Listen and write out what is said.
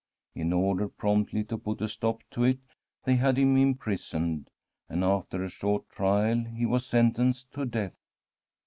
In order promptly to put a stop to it, they had him imprisoned, and after a short trial he was sentenced to death.